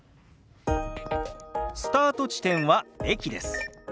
スタート地点は駅です。